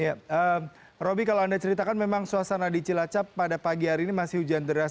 ya roby kalau anda ceritakan memang suasana di cilacap pada pagi hari ini masih hujan deras